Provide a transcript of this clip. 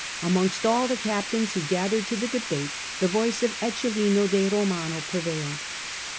Amongst all the captains who gathered to the debate, the voice of Eccelin de Romano prevailed.